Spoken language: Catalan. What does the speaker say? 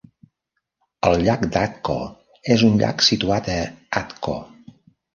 El llac d'Atco és un llac situat a Atco.